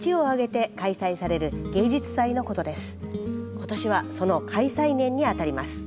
今年はその開催年に当たります。